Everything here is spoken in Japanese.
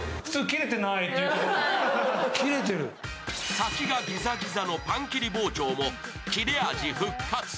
先がギザギザのパン切り包丁も切れ味復活。